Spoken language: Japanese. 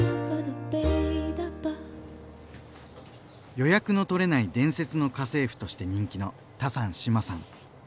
「予約のとれない伝説の家政婦」として人気のタサン志麻さん。